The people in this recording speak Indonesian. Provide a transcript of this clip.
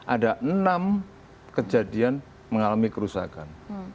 ada enam kejadian mengalami kerusakan